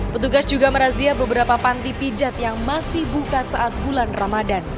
petugas juga merazia beberapa panti pijat yang masih buka saat bulan ramadan